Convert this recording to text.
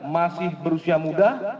masih berusia muda